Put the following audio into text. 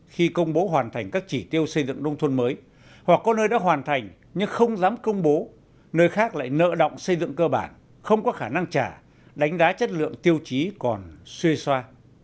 khi công bố hoàn thành các chỉ tiêu xây dựng nông thôn mới hoặc có nơi đã hoàn thành nhưng không dám công bố nơi khác lại nợ động xây dựng cơ bản không có khả năng trả đánh đá chất lượng tiêu chí còn xuê xoa